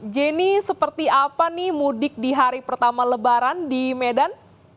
jenny seperti apa nih mudik di hari pertama lebaran di medan